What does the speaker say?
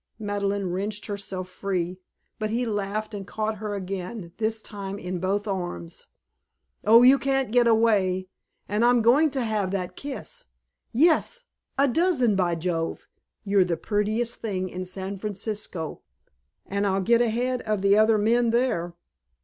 Madeleine wrenched herself free, but he laughed and caught her again, this time in both arms. "Oh, you can't get away, and I'm going to have that kiss. Yes, a dozen, by Jove. You're the prettiest thing in San Francisco, and I'll get ahead of the other men there."